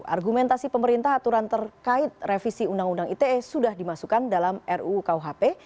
argumentasi pemerintah aturan terkait revisi undang undang ite sudah dimasukkan dalam ruu kuhp